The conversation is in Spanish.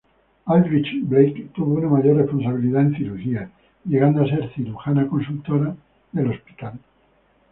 Aldrich-Blake tuvo una mayor responsabilidad en cirugía, llegando a ser cirujana consultora del hospital.